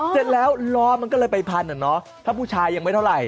เสร็จแล้วล้อมันก็เลยไปพันอ่ะเนาะถ้าผู้ชายยังไม่เท่าไหร่